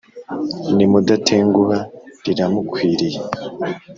Ni mudatenguha riramukwiriye.